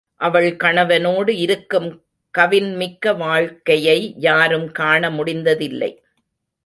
அவள் கணவனோடு இருக்கும் கவின்மிக்க வாழ்க் கையை யாரும் காண முடிந்ததில்லை.